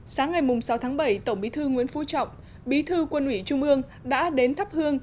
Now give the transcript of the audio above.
sáng ngày sáu tháng bảy tổng bí thư nguyễn phú trọng bí thư quân ủy trung ương đã đến thắp hương